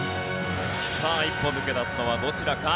さあ一歩抜け出すのはどちらか？